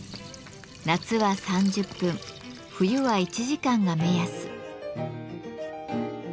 夏は３０分冬は１時間が目安。